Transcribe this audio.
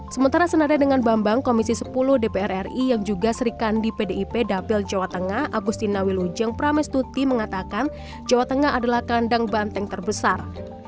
sementara senada dengan bambang komisi sepuluh dpr ri yang juga serikandi pdip dapil jawa tengah agustina wilujeng pramestuti mengatakan jawa tengah adalah kandang banteng terbesar